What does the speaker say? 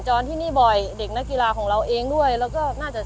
สวัสดีครับที่ได้รับความรักของคุณ